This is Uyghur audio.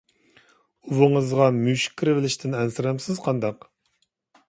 ئۇۋىڭىزغا مۈشۈك كىرىۋېلىشتىن ئەنسىرەمسىز قانداق؟